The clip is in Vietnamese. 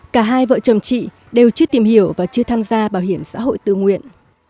cả hai vợ chồng chị đều chưa tìm hiểu và chưa tham gia bảo hiểm xã hội tự nguyện